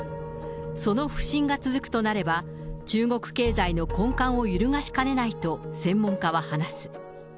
その不振が続くとなれば、中国経済の根幹を揺るがしかねないと、専門家は話す。